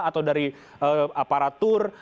atau dari aparatur